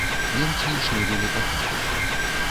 Немцы шнырылі па хатах.